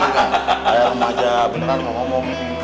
kayak om aja beneran ngomong om ini